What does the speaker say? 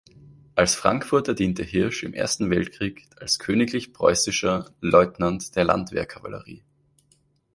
Als Frankfurter diente Hirsch im Ersten Weltkrieg als königlich preußischer Leutnant der Landwehr-Kavallerie.